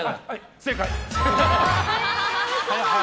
正解。